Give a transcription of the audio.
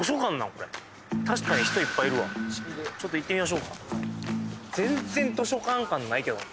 これ確かに人いっぱいいるわちょっと行ってみましょうか全然図書館感ないけどね